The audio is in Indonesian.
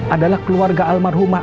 adalah keluarga almarhumah